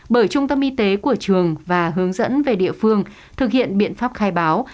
bởi trung tâm y tế của trường và hướng dẫn về địa phương thực hiện biện pháp khai báo